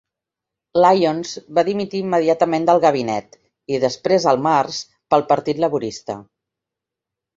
Lyons va dimitir immediatament del Gabinet, i després al març, del Partit Laborista.